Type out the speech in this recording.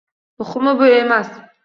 Muhimi bu emas.